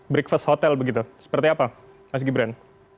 breakfast hotel begitu seperti apa mas gibran